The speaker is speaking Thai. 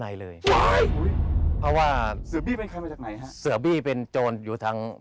มีวิญญาณ